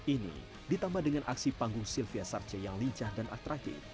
ini ditambah dengan aksi panggung sylvia sarce yang lincah dan atraki